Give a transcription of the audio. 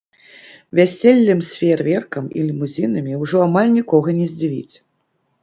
Вяселлем з феерверкам і лімузінамі ўжо амаль нікога не здзівіць.